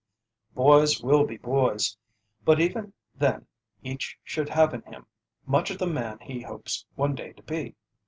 Boys will be boys, but even then each should have in him much of the man he hopes one day to be.